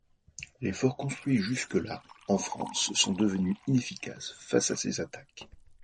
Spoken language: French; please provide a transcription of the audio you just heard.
Les forts construits jusque-là en France sont devenus inefficaces face à ces attaques.